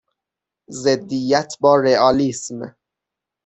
ضدیت با رئالیسم